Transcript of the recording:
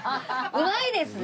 うまいですね。